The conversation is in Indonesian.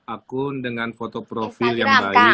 akun dengan foto profil yang baik